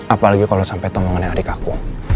apalagi kalau sampai tomongannya adik aku